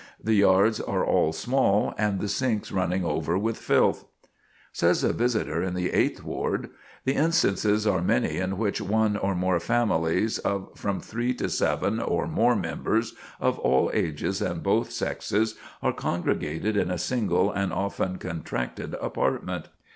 The yards are all small, and the sinks running over with filth." [Sidenote: Tenant House Degeneration] Says a visitor in the Eighth Ward: "The instances are many in which one or more families, of from three to seven or more members, of all ages and both sexes, are congregated in a single and often contracted apartment.